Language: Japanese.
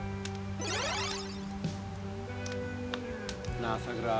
なあさくら。